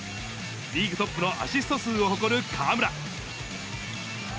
リーグトップのアシスト数を誇る河村。